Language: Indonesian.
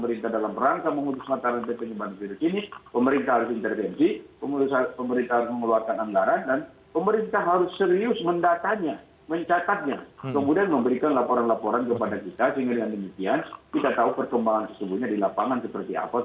sehingga dengan kebijakan kita sehingga dengan kebijakan kita kita tahu perkembangan sesungguhnya di lapangan seperti apa